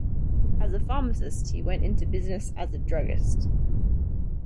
As a pharmacist, he went into business as a druggist.